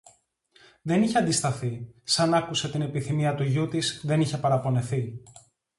Δεν είχε αντισταθεί, σαν άκουσε την επιθυμία του γιου της, δεν είχε παραπονεθεί